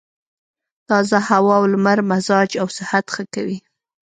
تازه هوا او لمر مزاج او صحت ښه کوي.